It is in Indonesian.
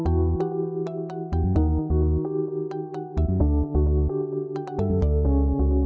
aku sudah sampai disini